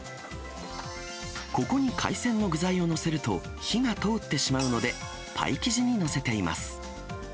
ここに海鮮の具材を載せると、火が通ってしまうので、パイ生地に載せています。